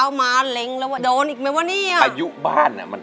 อ่ากระเบื้องเลย